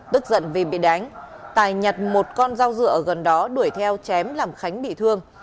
tức giận vì bị đánh tài nhặt một con dao dựa gần đó đuổi theo chém làm khánh bị thương